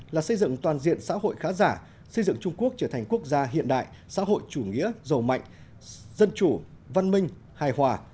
là xây dựng toàn diện xã hội khá giả xây dựng trung quốc trở thành quốc gia hiện đại xã hội chủ nghĩa giàu mạnh dân chủ văn minh hài hòa